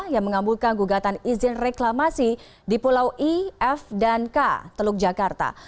yang mengambulkan gugatan izin reklamasi di pulau i f dan k teluk jakarta